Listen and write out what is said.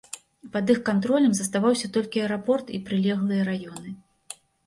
Пад іх кантролем заставаўся толькі аэрапорт і прылеглыя раёны.